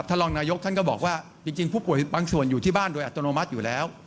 รองนายกท่านก็บอกว่าจริงผู้ป่วยบางส่วนอยู่ที่บ้านโดยอัตโนมัติอยู่แล้ว